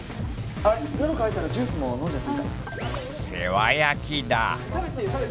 あっ喉渇いたらジュースも飲んじゃっていいから。